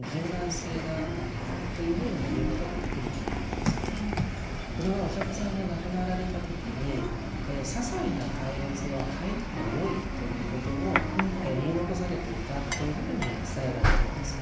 そういう意味では大変これはお釈迦さんが亡くなられた時に「ささいな戒律は変えてもよい」ということを言い残されていたというふうに伝えられています。